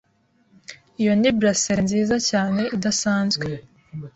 Iyo ni bracelet nziza cyane idasanzwe.